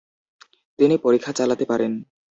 তিনি পরীক্ষা চালাতে পারেন।